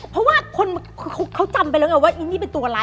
เพราะว่าคนคือเขาจำไปแล้วไงว่าอีนี่เป็นตัวร้าย